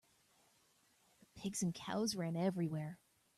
The pigs and cows ran everywhere.